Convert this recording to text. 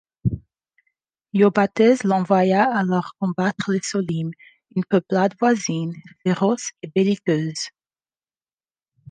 Iobatès l'envoya alors combattre les Solymes, une peuplade voisine, féroce et belliqueuse.